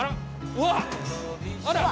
うわあら！